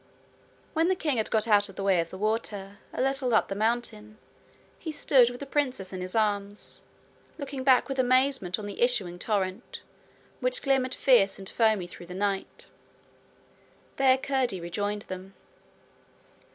When the king had got out of the way of the water, a little up the mountain, he stood with the princess in his arms, looking back with amazement on the issuing torrent, which glimmered fierce and foamy through the night. There Curdie rejoined them.